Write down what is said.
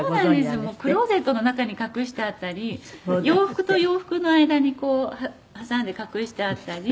「クローゼットの中に隠してあったり洋服と洋服の間にこう挟んで隠してあったり」